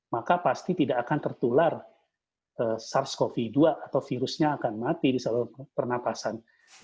maka pasti tidak akan tertular sars cov dua atau virusnya akan mati di seluruh pernapasan